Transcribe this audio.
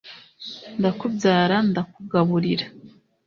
ndakubyara ndakugaburira